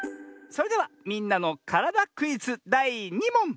それでは「みんなのからだクイズ」だい２もん！